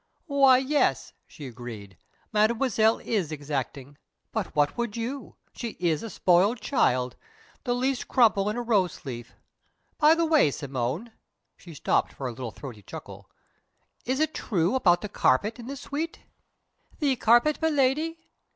"Why, yes," she agreed. "Mademoiselle is exacting. But what would you? She is a spoiled child. The least crumple in a rose leaf by the way, Simone" (she stopped for a little throaty chuckle), "is it true about the carpet in this suite?" "The carpet, Miladi?"